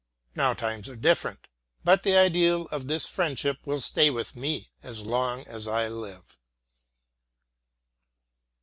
Now times are different; but the ideal of this friendship will stay with me as long as I live.